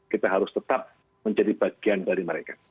kita harus tetap menjadi bagian dari mereka